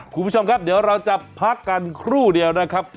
คุณผู้ชมครับเดี๋ยวเราจะพักกันครู่เดียวนะครับ